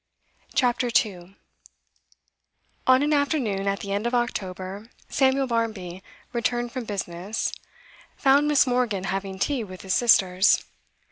CHAPTER 2 On an afternoon at the end of October, Samuel Barmby, returned from business, found Miss. Morgan having tea with his sisters.